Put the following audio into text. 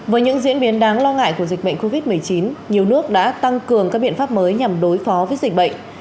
với những diễn biến đáng lo ngại của dịch bệnh covid một mươi chín nhiều nước đã tăng cường các biện pháp mới nhằm đối phó với dịch bệnh